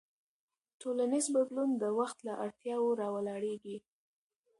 ټولنیز بدلون د وخت له اړتیاوو راولاړېږي.